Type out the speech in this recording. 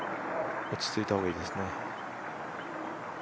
落ち着いた方がいいですね。